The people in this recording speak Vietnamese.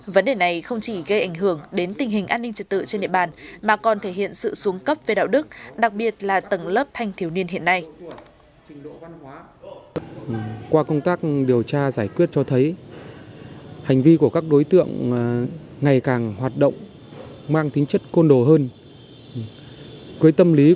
vấn đề này không chỉ gây ảnh hưởng đến tình hình an ninh trật tự trên địa bàn mà còn thể hiện sự xuống cấp về đạo đức đặc biệt là tầng lớp thanh thiếu niên hiện nay